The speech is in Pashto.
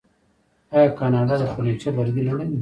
آیا کاناډا د فرنیچر لرګي نلري؟